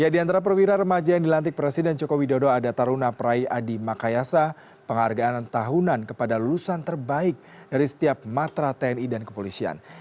di antara perwira remaja yang dilantik presiden joko widodo ada taruna prai adi makayasa penghargaan tahunan kepada lulusan terbaik dari setiap matra tni dan kepolisian